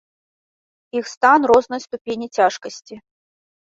Іх стан рознай ступені цяжкасці.